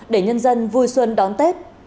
để nhân dân vui xuân đón tết